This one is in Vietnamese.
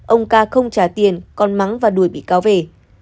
ông ca không trả tiền còn mắng và đuổi bị cáo về